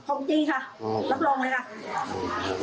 จริงค่ะรับรองเลยค่ะ